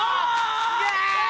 すげえ！